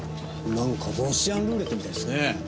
なんかロシアンルーレットみたいですね。